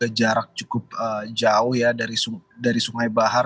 jarak cukup jauh ya dari sungai bahar